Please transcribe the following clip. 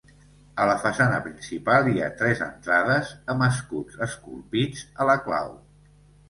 A la façana principal hi ha tres entrades amb escuts esculpits a la clau.